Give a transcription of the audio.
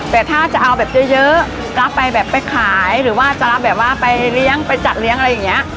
แต่ถ้าจะเอาแบบเยอะรับไปแบบไปขายหรือว่าจะรับแบบว่าไปเลี้ยงไปจัดเลี้ยงอะไรอย่างนี้